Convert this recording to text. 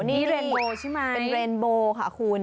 นี่เรนโบใช่ไหมเป็นเรนโบค่ะคุณ